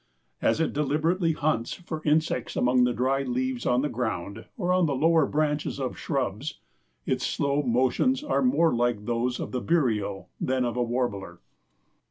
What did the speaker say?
As it deliberately hunts for insects among the dry leaves on the ground or on the lower branches of shrubs, its slow motions are more like those of the vireo than of a warbler.